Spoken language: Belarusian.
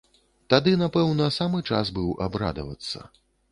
Тады, напэўна, самы час быў бы абрадавацца!